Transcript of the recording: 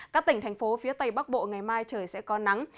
các tỉnh thành phố phía tây bắc bộ ngày mai trời sẽ có nắng